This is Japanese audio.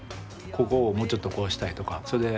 「ここをもうちょっとこうしたい」とか。